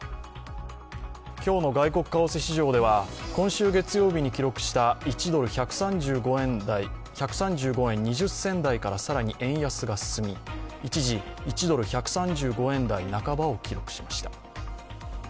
今日の外国為替市場では今週月曜日に記録した１ドル＝１３５円２０銭台から更に円安が進み、一時、１ドル＝１３５円台半ばを記録しました。